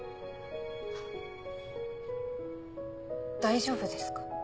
大丈夫ですか？